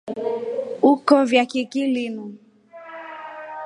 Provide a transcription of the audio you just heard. Ukovya kiki linu.